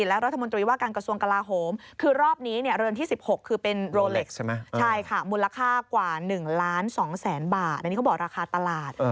บาทอันนี้เขาบอกราคาตลาด